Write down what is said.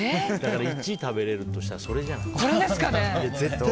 食べられるとしたらこれじゃない。